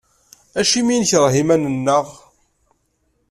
Acimi i nekreh iman-nneɣ?